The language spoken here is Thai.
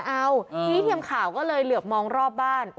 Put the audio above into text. เอาทีนี้ทีมข่าวก็เลยเหลือบมองรอบบ้าน